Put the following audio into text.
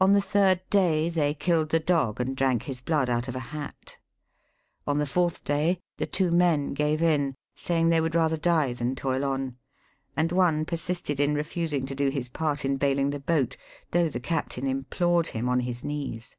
On the third day, they killed the dog, and drank his blood out of a hat. On the fourth day, the two men gave in, saying they would rather die than toil on ; and one persisted in refusing to do his part in baling the boat, though the captain implored him on his knees.